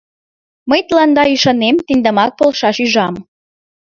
Мый тыланда ӱшанем, тендамак полшаш ӱжам.